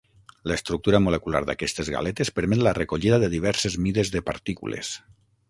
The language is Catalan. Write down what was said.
L'estructura molecular d'aquestes galetes permet la recollida de diverses mides de partícules.